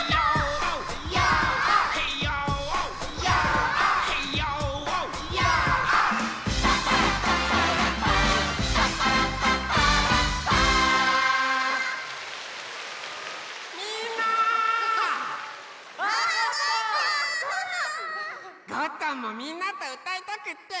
ゴットンもみんなとうたいたくってきちゃった！